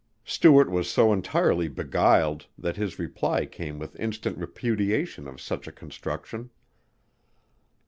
Stuart was so entirely beguiled that his reply came with instant repudiation of such a construction.